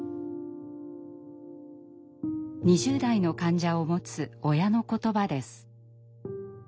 ２０代の患者を持つ親の言葉です。